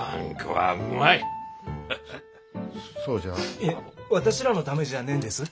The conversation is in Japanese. いえ私らのためじゃねえんです。